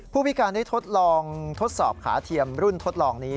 ผู้พิการได้ทดลองทดสอบขาเทียมรุ่นทดลองนี้